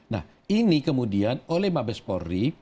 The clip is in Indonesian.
nah ini kemudian oleh mabes polri